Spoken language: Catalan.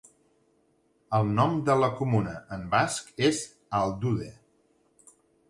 El nom de la comuna en basc és "aldude".